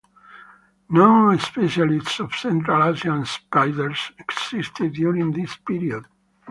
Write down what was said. No specialists of Central Asian spiders existed during this period.